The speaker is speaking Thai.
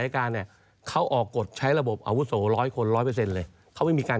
ใช้กฏหมายเล่มเดียวกัน